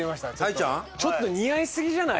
ちょっと似合いすぎじゃない？